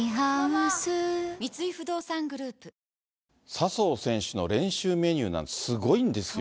笹生選手の練習メニューなんですけど、すごいんですよ。